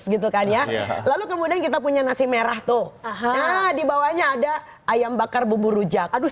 gitu kan ya lalu kemudian kita punya nasi merah tuh nah dibawahnya ada ayam bakar bumbu rujak aduh